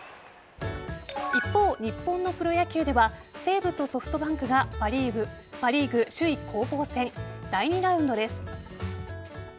一方、日本のプロ野球では西武とソフトバンクがパ・リーグ首位攻防戦第２ラウンドです。